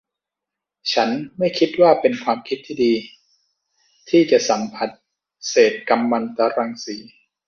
ฉันไม่คิดว่าเป็นความคิดที่ดี ที่จะสัมผัสเศษกัมมันตรังสี